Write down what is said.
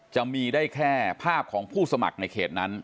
จะมีได้แค่ภาพของผู้สมัครในเขตนั้น